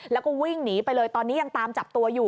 แล้วก็วิ่งหนีไปเลยตอนนี้ยังตามจับตัวอยู่